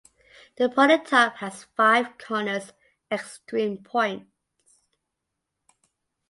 The polytope has five corners (extreme points).